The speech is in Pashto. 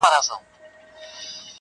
خزان له پېغلو پېزوانونو سره لوبي کوي،